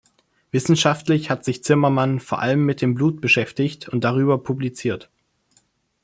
Wissenschaftlich hat sich Zimmermann vor allem mit dem Blut beschäftigt und darüber publiziert.